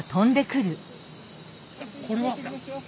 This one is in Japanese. これは？